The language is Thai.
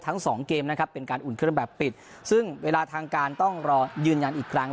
ทั้งสองเกมนะครับเป็นการอุ่นเครื่องแบบปิดซึ่งเวลาทางการต้องรอยืนยันอีกครั้ง